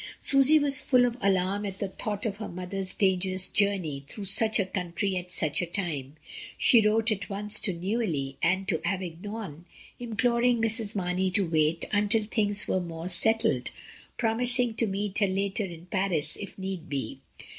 Susy was full of alarm at the thought of her mother's dangerous journey through such a country at such a time. She wrote at once to Neuilly and to Avignon, imploring Mrs. Mamey to wait until things were more settled, promising to meet her later in Paris if need be.